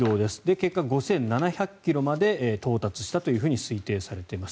結果、５７００ｋｍまで到達したと推定されています。